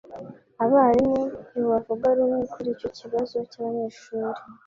Abarimu ntibavuga rumwe kuri icyo kibazo cy’abanyeshuri.